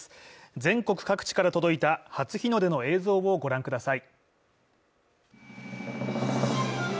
全国各地から届いた初日の出の映像をご覧ください。